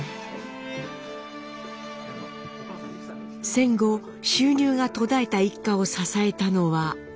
戦後収入が途絶えた一家を支えたのは。